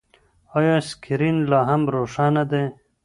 ایا سکرین لا هم روښانه دی؟